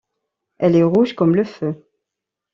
Elle est rouge comme le feu.